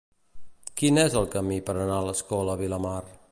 Quin és el camí per anar a l'Escola Vilamar?